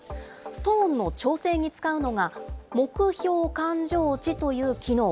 トーンの調整に使うのが、目標感情値という機能。